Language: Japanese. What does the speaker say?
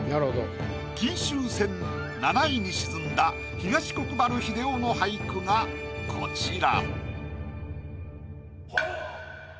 金秋戦７位に沈んだ東国原英夫の俳句がこちら。